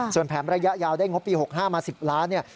ส่วนแผนระยะยาวได้งบปี๖๕มา๑๐ล้านเนี่ย